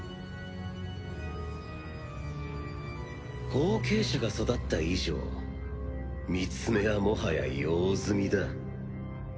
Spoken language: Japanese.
後継者が育った以上ミツメはもはや用済みだ。